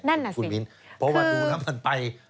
นั่นน่ะสิคุณมิ้นเพราะว่าดูแล้วมันไป